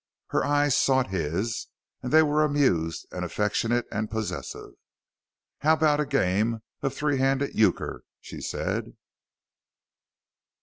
Her eyes sought his, and they were amused and affectionate and possessive. "How about a game of three handed euchre?" she said.